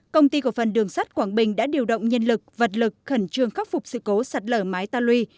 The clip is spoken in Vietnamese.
công ty cổ phần đường sắt quảng bình đã điều động nhân lực vật lực khẩn trương khắc phục sự cố sạt lở mái ta lui